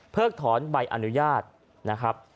ถอนใบอนุญาตนะครับ